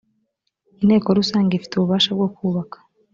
inteko rusange ifite ububasha bwo kubaka